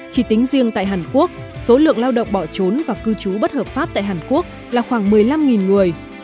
chỉ tính riêng tại hàn quốc số lượng lao động bỏ trốn và cư trú bất hợp pháp tại hàn quốc là khoảng một mươi năm người